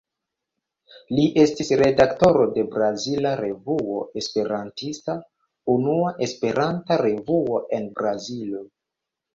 Li estis redaktoro de Brazila Revuo Esperantista, unua Esperanta revuo en Brazilo.